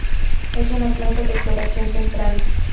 Es una planta de floración temprana.